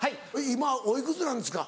今おいくつなんですか？